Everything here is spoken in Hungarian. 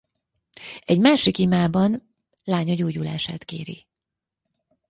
Egy másik imában lánya gyógyulását kéri.